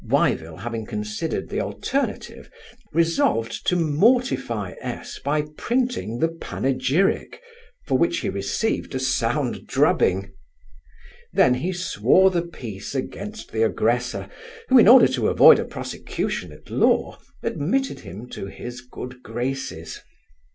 Wyvil having considered the alternative, resolved to mortify S by printing the panegyrick, for which he received a sound drubbing. Then he swore the peace against the aggressor, who, in order to avoid a prosecution at law, admitted him to his good graces.